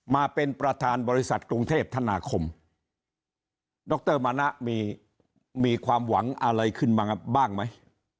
มาเป็นประธานบริษัทกรุงเทพธนาคมดรมณะมีความหวังอะไรขึ้นมาบ้างไหม